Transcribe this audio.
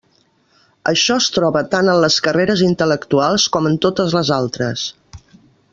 Això es troba tant en les carreres intel·lectuals com en totes les altres.